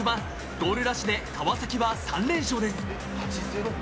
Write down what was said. ゴールラッシュで川崎は３連勝です。